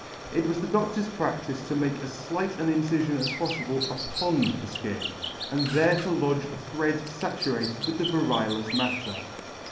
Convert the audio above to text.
It was the doctor's praCtice to make as flight an incilion as poffible upon the fkin, and there to lodge a thread faturated with the variolous matter.